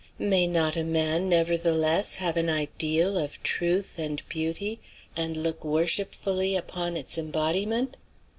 May not a man, nevertheless, have an ideal of truth and beauty and look worshipfully upon its embodiment?